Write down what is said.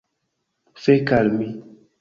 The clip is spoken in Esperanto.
Fek' al mi!